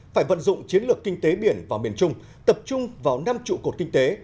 phải vận dụng chiến lược kinh tế biển vào miền trung tập trung vào năm trụ cột kinh tế